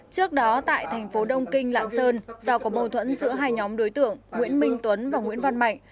trước đó tại thành phố đông kinh lạng sơn do có mâu thuẫn giữa hai nhóm đối tượng nguyễn minh tuấn và nguyễn văn mạnh